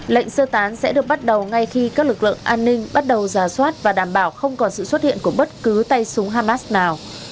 lệnh sơ tán sẽ được bắt đầu ngay khi các lực lượng an ninh bắt đầu giả soát và đảm bảo không còn sự xuất hiện của bất cứ tay súng hamas nào